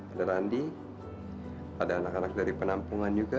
ada randi ada anak anak dari penampungan juga